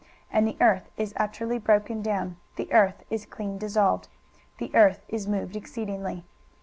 23:024:019 The earth is utterly broken down, the earth is clean dissolved, the earth is moved exceedingly.